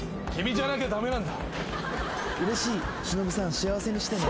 幸せにしてね」